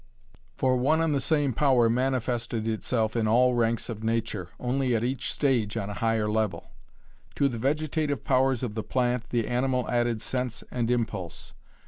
For one and the same power manifested itself in all ranks of nature, only at each stage on a higher level. To the vegetative powers of the plant the animal added sense and Impulse.